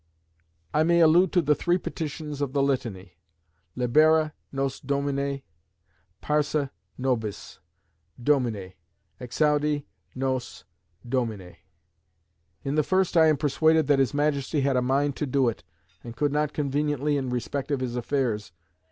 "I may allude to the three petitions of the Litany Libera nos Domine; parce nobis, Domine; exaudi nos, Domine. In the first, I am persuaded that his Majesty had a mind to do it, and could not conveniently in respect of his affairs.